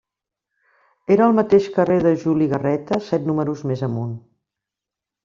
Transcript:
Era al mateix carrer de Juli Garreta set números més amunt.